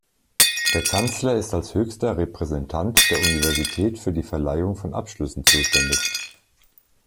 Der Kanzler ist als höchster Repräsentant der Universität für die Verleihung von Abschlüssen zuständig.